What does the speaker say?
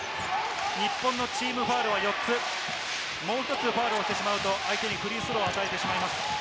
日本のチームファウルは４つ、もう１つファウルをしてしまうと相手にフリースローを与えてしまいます。